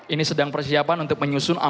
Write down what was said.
ini sedang persiapan untuk menyusun